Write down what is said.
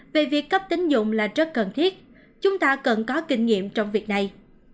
về việc cấp tính dụng là rất cần thiết chúng ta cần có kinh nghiệm trong việc này